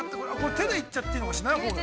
手でいっちゃっていいのかしら。